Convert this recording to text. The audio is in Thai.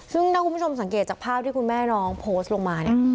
ซึ่งถ้าคุณผู้ชมสังเกตจากภาพที่คุณแม่น้องโพสต์ลงมาเนี่ย